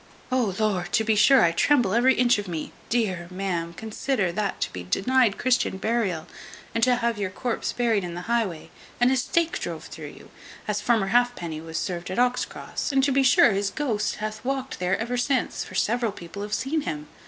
O lud! to be sure I tremble every inch of me. Dear ma'am, consider, that to be denied Christian burial, and to have your corpse buried in the highway, and a stake drove through you, as farmer Halfpenny was served at Ox Cross; and, to be sure, his ghost hath walked there ever since, for several people have seen him.